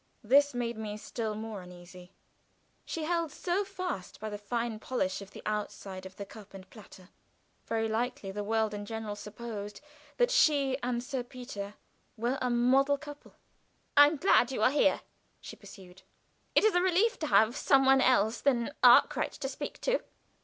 This made me still more uneasy. She held so fast by the fine polish of the outside of the cup and platter. Very likely the world in general supposed that she and Sir Peter were a model couple. "I am glad you are here," she pursued. "It is a relief to have some one else than Arkwright to speak to."